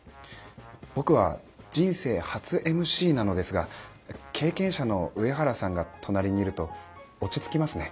僕は人生初ＭＣなのですが経験者の上原さんが隣にいると落ち着きますね。